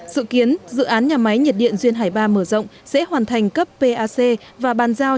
dự kiến dự án nhà máy nhiệt điện duyên hải ba mở rộng sẽ hoàn thành cấp pac và bàn giao